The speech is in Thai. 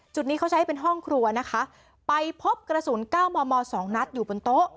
จุดนี้เขาใช้เป็นห้องครัวนะคะไปพบกระสุนเก้ามอมอสองนัดอยู่บนโต๊ะ